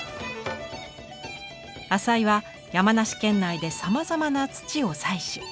淺井は山梨県内でさまざまな土を採取。